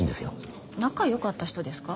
仲良かった人ですか？